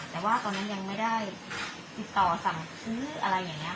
แต่ว่าตอนนั้นยังไม่ได้ติดต่อสั่งซื้ออะไรอย่างนี้